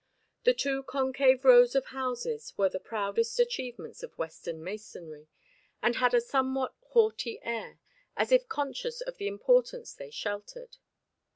The two concave rows of houses were the proudest achievements of Western masonry, and had a somewhat haughty air, as if conscious of the importance they sheltered.